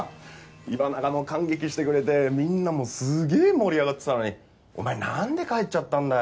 岩永も感激してくれてみんなもすげえ盛り上がってたのにお前なんで帰っちゃったんだよ。